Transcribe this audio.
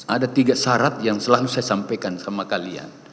ada tiga syarat yang selalu saya sampaikan sama kalian